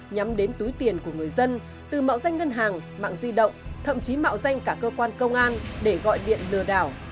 nhắm đến túi tiền của người dân từ mạo danh ngân hàng mạng di động thậm chí mạo danh cả cơ quan công an để gọi điện lừa đảo